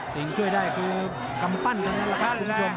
สิ่งช่วยได้คือกำปั้นกันแล้วครับคุณผู้ชม